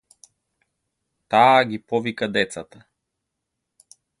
Таа ги повика децата.